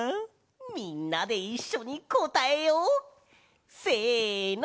みんなでいっしょにこたえよう！せの！